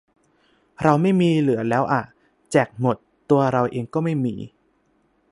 เราไม่มีเหลือแล้วอ่ะ แจกหมด ตัวเราเองก็ไม่มี